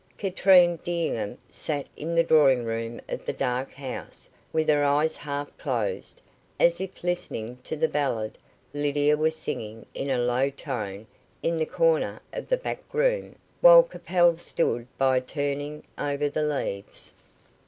Katrine D'Enghien sat in the drawing room of the Dark House, with her eyes half closed, as if listening to the ballad Lydia was singing in a low tone in the corner of the back room, while Capel stood by turning over the leaves.